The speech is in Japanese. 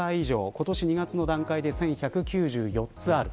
今年２月の段階で１１９４つある。